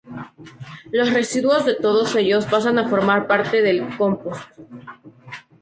Los residuos de todos ellos pasan a formar parte del compost.